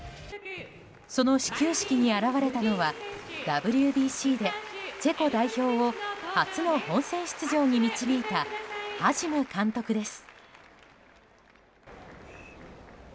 その始球式に現れたのはＷＢＣでチェコ代表を初の本戦出場に導いたハジム監督です。